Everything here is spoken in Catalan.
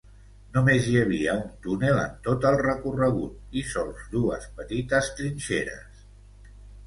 Només hi havia un túnel en tot el recorregut i sols dues petites trinxeres.